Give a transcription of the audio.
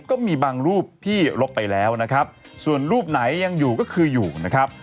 ก็มีบางรูปที่ลบไปแล้วนะครับส่วนรูปไหนยังอยู่ก็คืออยู่นะครับ